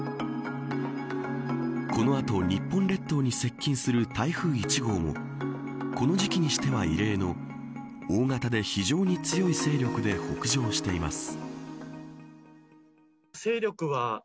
この後日本列島に接近する台風１号もこの時期にしては異例の大型で非常に強い勢力で北上しています。